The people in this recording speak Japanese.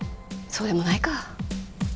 「そうでもないか」